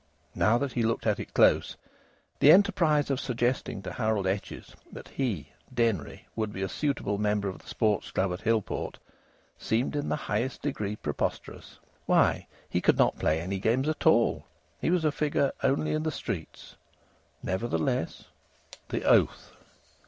Now that he looked at it close, the enterprise of suggesting to Harold Etches that he, Denry, would be a suitable member of the Sports Club at Hillport, seemed in the highest degree preposterous. Why! He could not play any games at all! He was a figure only in the streets! Nevertheless the oath!